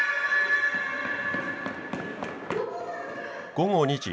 午後２時。